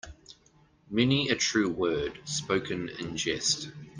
Many a true word spoken in jest.